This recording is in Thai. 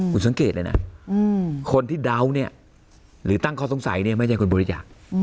คุณสังเกตเลยนะคนที่เดาเนี่ยหรือตั้งข้อสงสัยเนี่ยไม่ใช่คนบริจาค